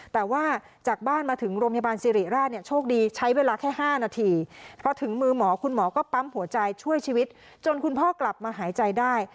แต่ว่าจากบ้านมาถึงโรงพยาบาลสิริราชเนี่ยโชคดีใช้เวลาแค่๕นาทีพอถึงมือหมอคุณหมอก็ปั๊มหัวใจช่วยชีวิตจนคุณพ่อกลับมาหายใจได้